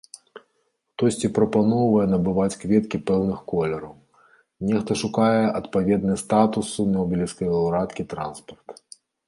Хтосьці прапаноўвае набываць кветкі пэўных колераў, нехта шукае адпаведны статусу нобелеўскай лаўрэаткі транспарт.